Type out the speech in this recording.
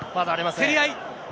競り合い。